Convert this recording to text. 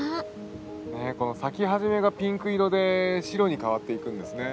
ねえこの咲き始めがピンク色で白に変わっていくんですね。